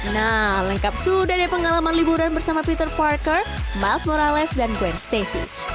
nah lengkap sudah dari pengalaman liburan bersama peter parker miles morales dan gwen stacy